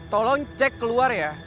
tolong cek keluar ya